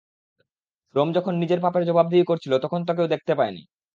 Rome যখন নিজের পাপের জবাবদিহি করছিল তখন তা কেউ দেখতে পায় নি।